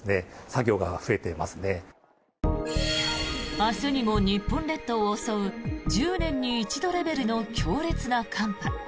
明日にも日本列島を襲う１０年に一度レベルの強烈な寒波。